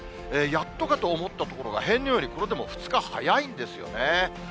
やっとかと思ったところが、平年よりこれでも２日早いんですよね。